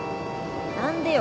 何でよ。